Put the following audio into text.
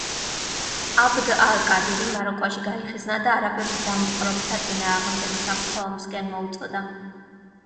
აბდ ალ-კადირი მაროკოში გაიხიზნა და არაბებს დამპყრობთა წინააღმდეგ საღვთო ომისკენ მოუწოდა.